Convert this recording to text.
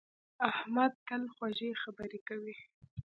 احمد تل خوږې خبرې کوي.